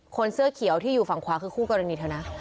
เสื้อเขียวที่อยู่ฝั่งขวาคือคู่กรณีเธอนะ